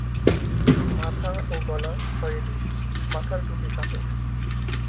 মাথা ও গলা খয়েরি, মাথার টুপি কালো।